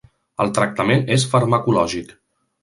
El tractament és farmacològic.